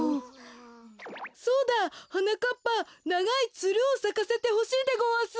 そうだはなかっぱながいつるをさかせてほしいでごわす。